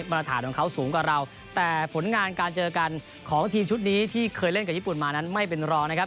มาตรฐานของเขาสูงกว่าเราแต่ผลงานการเจอกันของทีมชุดนี้ที่เคยเล่นกับญี่ปุ่นมานั้นไม่เป็นรองนะครับ